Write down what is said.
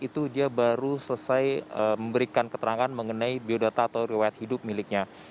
itu dia baru selesai memberikan keterangan mengenai biodata atau riwayat hidup miliknya